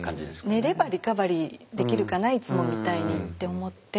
「寝ればリカバリーできるかないつもみたいに」って思って。